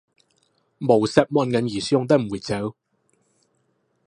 冇十萬人以上都唔會做